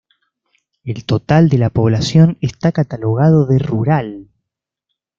El total de la población está catalogado de rural.